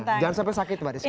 jangan sampai sakit mbak desi